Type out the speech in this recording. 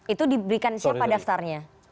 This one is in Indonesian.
itu diberikan siapa daftarnya